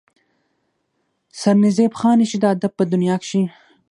سرنزېب خان چې د ادب پۀ دنيا کښې